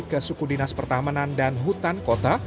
ke suku dinas pertamanan dan hutan kota